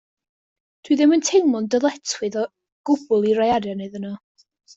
Dw i ddim yn teimlo dyletswydd o gwbl i roi arian iddyn nhw.